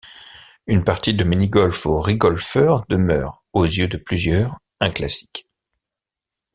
Une partie de mini-golf au Rigolfeur demeure aux yeux de plusieurs un classique.